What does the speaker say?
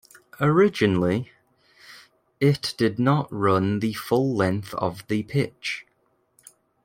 Originally, it did not run the full length of the pitch.